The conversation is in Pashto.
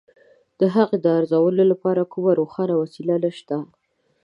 د هغې د ارزولو لپاره کومه روښانه وسیله نشته.